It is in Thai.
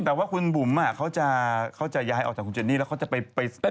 แต่ว่าคุณบุ๋มเขาจะย้ายออกจากคุณเจนี่แล้วเขาจะไป